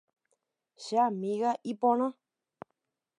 Che amiga iporã.